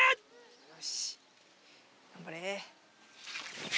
よし頑張れ！